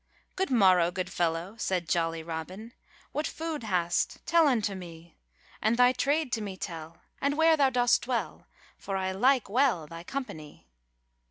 'Good morrow, good fellow,' said jolly Robin, 'What food hast? tell unto me; And thy trade to me tell, and where thou dost dwell, For I like well thy company.